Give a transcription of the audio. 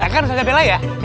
kan ustadz bela ya